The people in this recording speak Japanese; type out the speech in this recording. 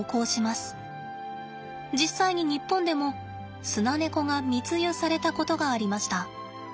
実際に日本でもスナネコが密輸されたことがありました。